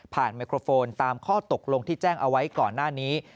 ไมโครโฟนตามข้อตกลงที่แจ้งเอาไว้ก่อนหน้านี้